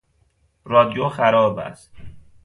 رادیو خراب است.